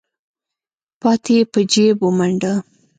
پاتې يې په جېب ومنډه.